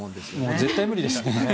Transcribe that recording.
絶対無理ですね。